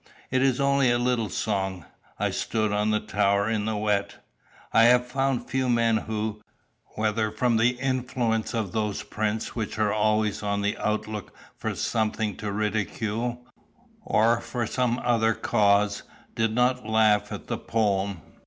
It is only a little song, "I stood on a tower in the wet." I have found few men who, whether from the influence of those prints which are always on the outlook for something to ridicule, or from some other cause, did not laugh at the poem.